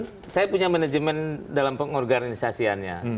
ya saya punya manajemen dalam pengorganisasiannya